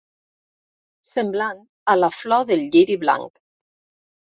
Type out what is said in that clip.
Semblant a la flor del lliri blanc.